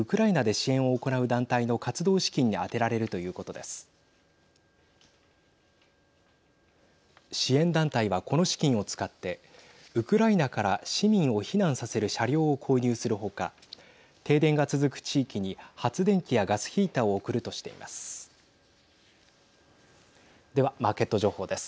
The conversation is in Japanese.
支援団体はこの資金を使ってウクライナから市民を避難させる車両を購入する他停電が続く地域に発電機やガスヒーターを送るとしています。